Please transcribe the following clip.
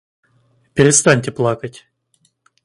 Перестаньте плакать.